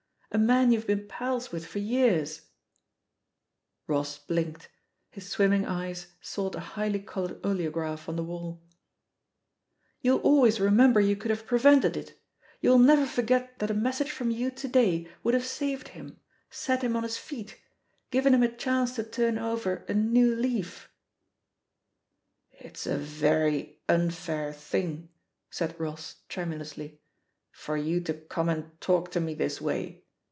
A man you've been pals with for years ?"..• Koss blinked; his swimming eyes sought a highly coloured oleograph on the wall. "You'll always remember you could have pre vented itl You'll never forget that a message from you to day would have saved him, set him on his feet, given him a chance to turn over a new leaf 1" "It's a very unfair thing," said Koss tremu lously, "for you to come and talk to me this way.